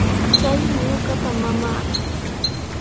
Chaymi ñuqapa mamaaqa.